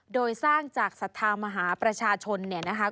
โดยสร้างจากศรัทธามหาประชาชนเนี่ยนะคะ